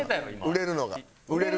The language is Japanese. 売れるのが遅い。